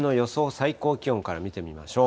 最高気温から見てみましょう。